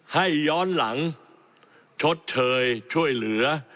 ให้ย้อนหลังชดเชยช่วยเหลือ